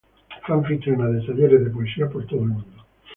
Fue anfitriona de talleres de poesía en todo el mundo.